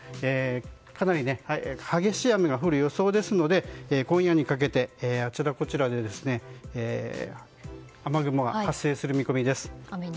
かなり激しい雨が降る予想ですので今夜にかけて、あちらこちらで雨雲が発生する見込みです。